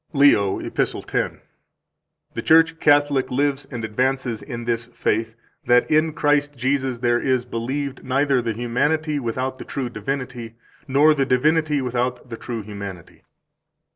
174 LEO, Epist. 10 (Ep. 24, cap. 5, p. 245, and in Serm., f. 121, ed. cit.): "The Church Catholic lives and advances in this faith, that in Christ Jesus there is believed neither the humanity without the true divinity nor the divinity without the true humanity."